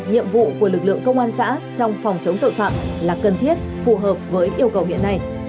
nhiệm vụ của lực lượng công an xã trong phòng chống tội phạm là cần thiết phù hợp với yêu cầu hiện nay